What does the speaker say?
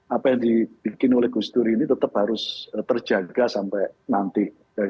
apa yang dibikin oleh gus dur ini tetap harus terjaga sampai nanti